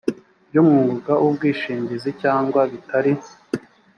bw umwuga w ubwishingizi cyangwa bitari